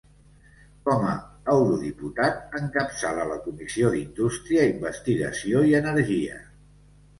Com a eurodiputat encapçala la Comissió d'Indústria, Investigació i Energia.